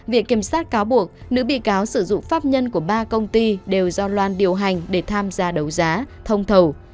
viện kiểm sát cáo buộc nữ bị cáo sử dụng pháp nhân của ba công ty đều do loan điều hành để tham gia đấu giá thông thầu